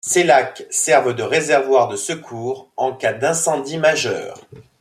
Ces lacs servent de réservoirs de secours en cas d'incendie majeur.